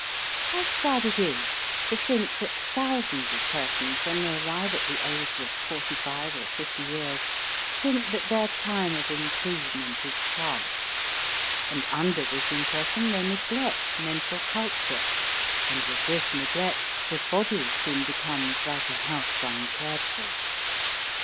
How sad it is to think that thou sands of persons, when they arrive at the age of forty five or fifty years, think that their time of improvement is past, and under this impression they neglect mental culture, and with this neglect the body soon becomes like a house uncared for.